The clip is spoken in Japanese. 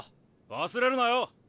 忘れるなよ。